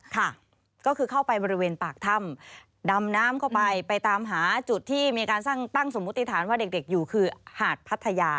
ค่ะก็คือเข้าไปบริเวณปากถ้ำดำน้ำเข้าไปไปตามหาจุดที่มีการตั้งสมมุติฐานว่าเด็กอยู่คือหาดพัทยา